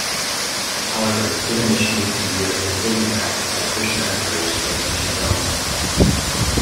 However, divination became viewed as a pagan practice by Christian emperors during ancient Rome.